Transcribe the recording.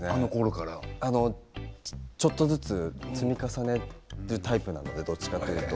ちょっとずつ積み重ねるタイプなのでどちらかというと。